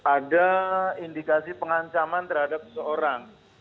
ada indikasi pengancaman terhadap seseorang